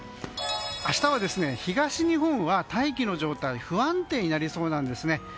明日は東日本は大気の状態が不安定になりそうなんですね。